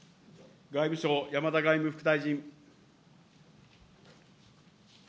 外務省、山田外務副大臣。